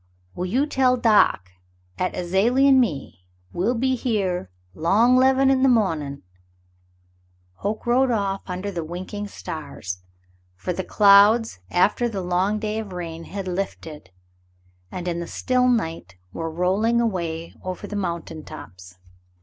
"Well, you tell doc 'at Azalie an' me, we'll be here 'long 'leven in the mawnin'." Hoke rode off under the winking stars, for the clouds after the long day of rain had lifted, and in the still night were rolling away over the moun tain tops.